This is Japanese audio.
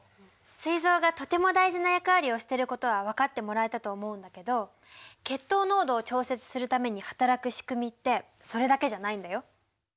すい臓がとても大事な役割をしていることは分かってもらえたと思うんだけど血糖濃度を調節するために働く仕組みってそれだけじゃないんだよ。